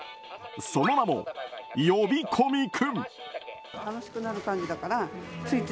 その名も呼び込み君。